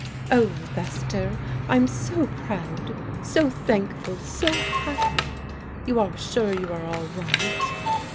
"Oh, Lester, I'm so proud, so thankful, so happy! You are sure you are all right